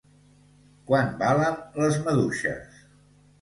Quant valen les maduixes?